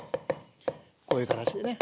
こういう形でね。